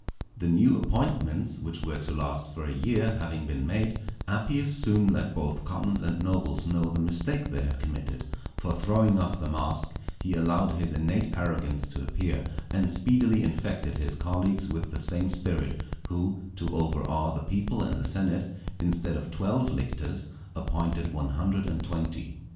The new appointments, which were to last for a year, having been made, Appius soon let both commons and nobles know the mistake they had committed, for throwing off the mask, he allowed his innate arrogance to appear, and speedily infected his colleagues with the same spirit; who, to overawe the people and the senate, instead of twelve lictors, appointed one hundred and twenty.